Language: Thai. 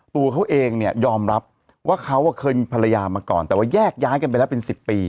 ตัวเขาเองเนี่ยยอมรับว่าเขาเคยมีภรรยามาก่อนแต่ว่าแยกย้ายกันไปแล้วเป็น๑๐ปี